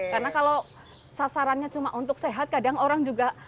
karena kalau sasarannya cuma untuk sehat kadang orang juga